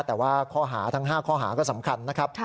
แต่ว่าข้อหาทั้ง๕ข้อหาก็สำคัญนะครับ